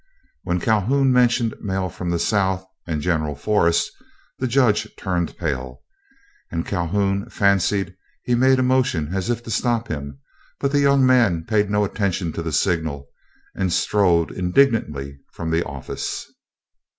When Calhoun mentioned "mail from the South," and "General Forrest," the Judge turned pale, and Calhoun fancied he made a motion as if to stop him; but the young man paid no attention to the signal, and strode indignantly from the office.